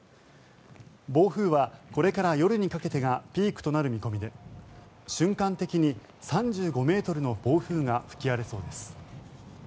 暴風はこれから夜にかけてがピークとなる見込みで瞬間的に３５ｍの暴風が吹き荒れそうです。